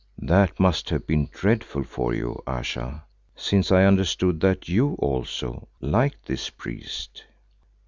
"That must have been dreadful for you, Ayesha, since I understood that you also—liked this priest."